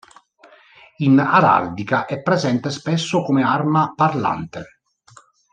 In araldica è presente spesso come arma parlante.